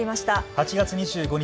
８月２５日